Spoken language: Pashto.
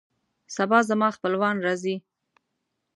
سبا زما خپلوان راځي